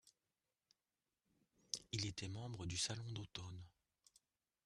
Il était membre du Salon d'automne.